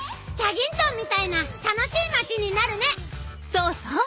そうそう。